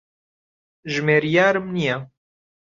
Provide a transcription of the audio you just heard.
ژمێریارم نییە.